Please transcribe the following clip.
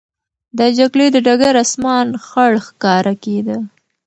د جګړې د ډګر آسمان خړ ښکاره کېده.